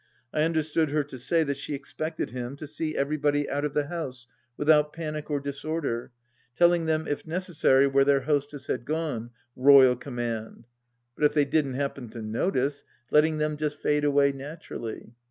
I understood her to say that she expected him to see everybody out of the house without panic or disorder, telling them if necessary where their hostess had gone — Royal Command !— ^but if they didn't happen to notice, letting them just fade away naturally.